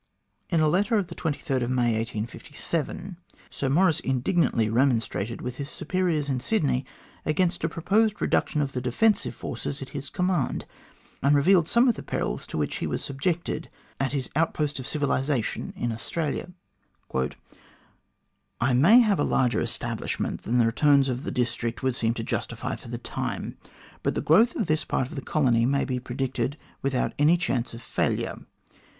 In a letter of May 23, 1857, Sir Maurice indignantly remonstrated with his superiors in Sydney against a pro posed reduction of the defensive forces at his command, and revealed some of the perils to which he was subjected at his outpost of civilisation in Australia. " I may have a larger establishment than the returns of the district would seem to justify for the time, but the growth of this part of the country may be predicted without any chance of failure.